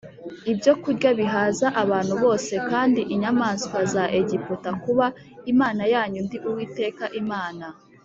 Ibyokurya bihaza abantu bose kandi inyamaswa za egiputa kuba imana yanyu ndi uwiteka imana